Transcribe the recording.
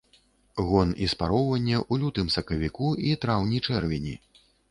Гон і спароўванне ў лютым-сакавіку і траўні-чэрвені.